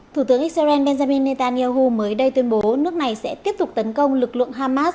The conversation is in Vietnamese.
thủ tướng israel benjamin netanyahu mới đây tuyên bố nước này sẽ tiếp tục tấn công lực lượng hamas